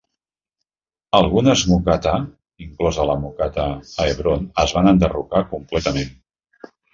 Algunes mukataa, inclosa la mukataa a Hebron, es van enderrocar completament.